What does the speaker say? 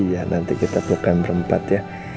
iya nanti kita tukan berempat ya